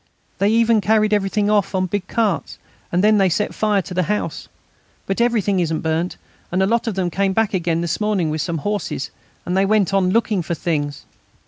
They even carried everything off on big carts, and then they set fire to the house. But everything isn't burnt, and a lot of them came back again this morning with some horses, and they went on looking for things."